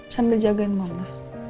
sambil jagain mama